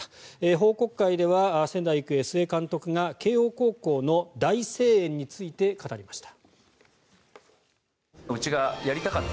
報告会では仙台育英、須江監督が慶応高校の大声援について語りました。